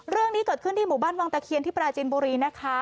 เรื่องนี้เกิดขึ้นที่หมู่บ้านวังตะเคียนที่ปราจินบุรีนะคะ